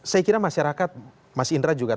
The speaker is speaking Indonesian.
saya kira masyarakat mas indra juga